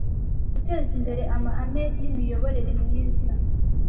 Guteza imbere amahame y imiyoborere myiza